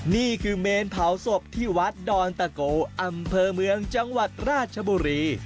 นี่คือเมนเผาศพที่วัดดอนตะโกอำเภอเมืองจังหวัดราชบุรี